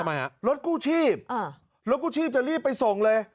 ทำไมฮะรถกู้ชีพอ่ารถกู้ชีพจะรีบไปส่งเลย